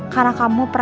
mau kalah gue